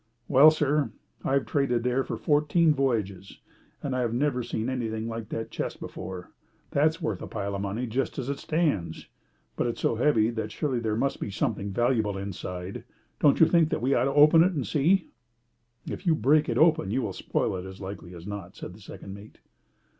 "Well, sir, I've traded there for fourteen voyages, and I have never seen anything like that chest before. That's worth a pile of money, just as it stands. But it's so heavy that surely there must be something valuable inside it. Don't you think that we ought to open it and see?" "If you break it open you will spoil it, as likely as not," said the second mate.